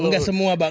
nggak semua bang